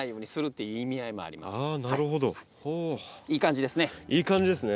いい感じですね。